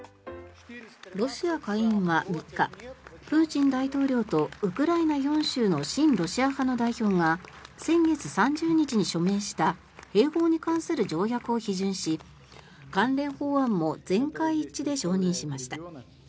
ロシア下院は３日プーチン大統領とウクライナ４州の親ロシア派の代表が先月３０日に署名した併合に関する条約に批准し関連法案も全会一致で承認しました。